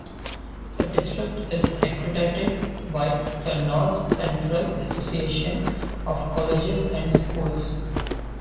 The district is accredited by the North Central Association of Colleges and Schools.